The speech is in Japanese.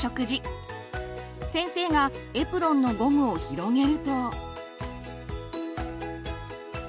先生がエプロンのゴムを広げると。